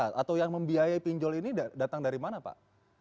atau yang membiayai pinjol ini datang dari mana pak